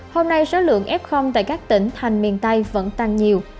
hôm nay số lượng f tại các tỉnh thành miền tây vẫn tăng nhiều